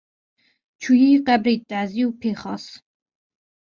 Çûyî qebrê tazî û pêxwas